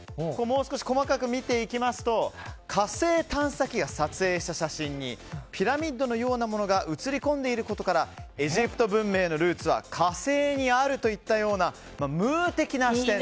細かく見ていきますと火星探査機で撮影した写真にピラミッドのようなものが写り込んでいることからエジプト文明のルーツは火星にあるといったような「ムー」的な視点。